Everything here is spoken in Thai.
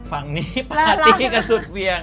ฝั่งนี้ปาร์ตี้กันสุดเวียน